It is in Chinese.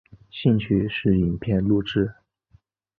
兴趣是影片录制。